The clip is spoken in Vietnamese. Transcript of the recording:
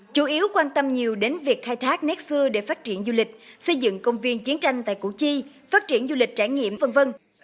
chủ yếu quan tâm nhiều đến việc khai thác nét xưa để phát triển du lịch xây dựng công viên chiến tranh tại củ chi phát triển du lịch trải nghiệm v v